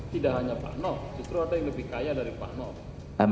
tidak hanya pak noh justru ada yang lebih kaya dari pak noh